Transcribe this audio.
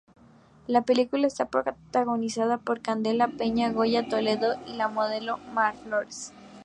La película está protagonizada por Candela Peña, Goya Toledo y la modelo Mar Flores.